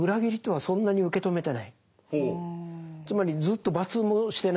つまりずっと罰もしてないし。